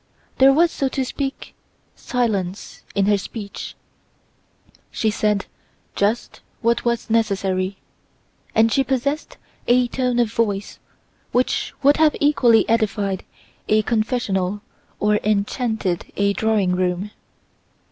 There was, so to speak, silence in her speech; she said just what was necessary, and she possessed a tone of voice which would have equally edified a confessional or enchanted a drawing room.